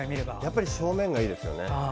やっぱり正面がいいですよね。